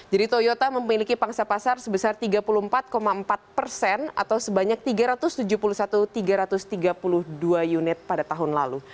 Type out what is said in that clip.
jadi toyota memiliki pangsa pasar sebesar tiga puluh empat empat persen atau sebanyak tiga ratus tujuh puluh satu tiga ratus tiga puluh dua unit pada tahun lalu